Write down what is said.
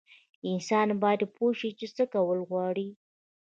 انسان باید پوه شي چې څه کول غواړي.